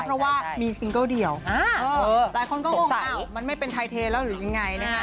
เพราะว่ามีซิงเกิลเดียวหลายคนก็งงอ้าวมันไม่เป็นไทเทแล้วหรือยังไงนะฮะ